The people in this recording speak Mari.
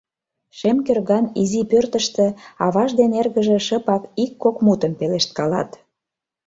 Шем кӧрган изи пӧртыштӧ аваж ден эргыже шыпак ик-кок мутым пелешткалат.